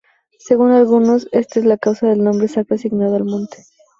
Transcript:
Según algunos esta es la causa del nombre sacro asignado al monte.